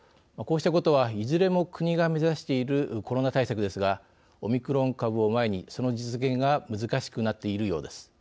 こうしたことはいずれも国が目指しているコロナ対策ですがオミクロン株を前に、その実現が難しくなっているようです。